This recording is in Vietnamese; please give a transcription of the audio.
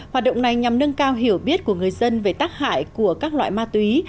hoạt động này nhằm nâng cao hiểu biết của người dân về tác hại của các loại ma túy